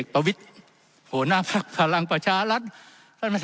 ผู้หน้าภักษ์พลังประชาชนรัฐ